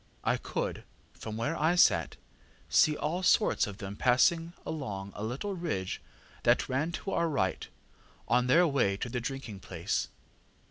I could, from where I sat, see all sorts of them passing along a little ridge that ran to our right, on their way to the drinking place.